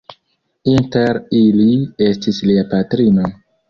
Inter ili estis Lia patrino.